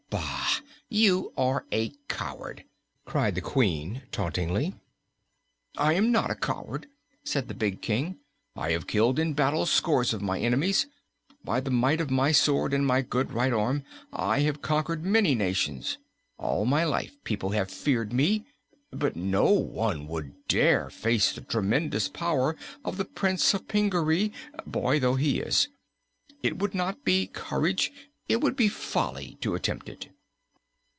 "Bah! you are a coward," cried the Queen, tauntingly. "I am not a coward," said the big King. "I have killed in battle scores of my enemies; by the might of my sword and my good right arm I have conquered many nations; all my life people have feared me. But no one would dare face the tremendous power of the Prince of Pingaree, boy though he is. It would not be courage, it would be folly, to attempt it."